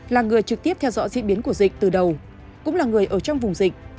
là người trực tiếp theo dõi diễn biến của dịch từ đầu cũng là người ở trong vùng dịch